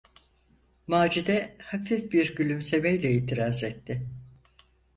Macide hafif bir gülümsemeyle itiraz etti: